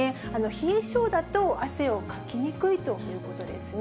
冷え性だと、汗をかきにくいということですね。